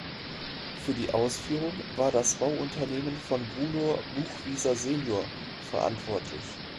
Für die Ausführung war das Bauunternehmen von Bruno Buchwieser senior verantwortlich.